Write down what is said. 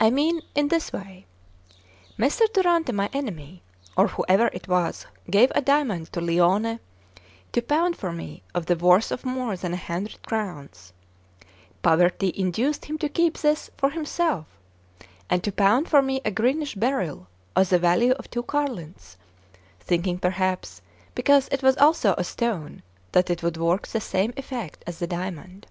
I mean in this way: Messer Durante, my enemy, or whoever it was, gave a diamond to Lione to pound for me of the worth of more than a hundred crowns; poverty induced him to keep this for himself, and to pound for me a greenish beryl of the value of two carlins, thinking perhaps, because it also was a stone, that it would work the same effect as the diamond.